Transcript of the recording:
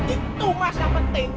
itu mas yang penting